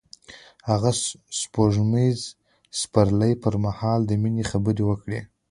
هغه د سپوږمیز پسرلی پر مهال د مینې خبرې وکړې.